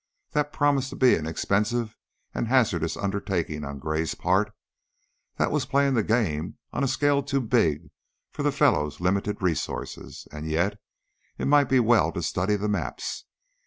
That promised to be an expensive and a hazardous undertaking on Gray's part; that was playing the game on a scale too big for the fellow's limited resources, and yet it might be well to study the maps.